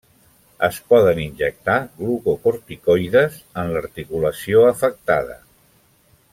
Es poden injectar glucocorticoides en l’articulació afectada.